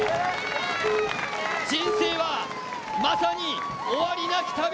人生はまさに終わりなき旅。